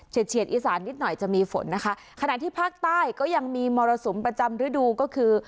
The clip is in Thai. เฉียดอีสานนิดหน่อยจะมีฝนนะคะขณะที่ภาคใต้ก็ยังมีมรสุมประจำฤดูก็คือ